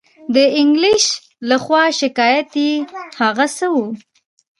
د انګلیس له خوا شکایت یې هغه څه وو.